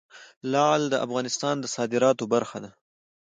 لعل د افغانستان د صادراتو برخه ده.